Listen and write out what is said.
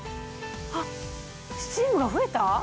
あっスチームが増えた？